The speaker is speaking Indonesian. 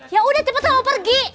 ya udah cepet sama pergi